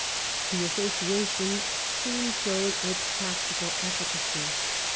The Association soon showed its practical efficacy.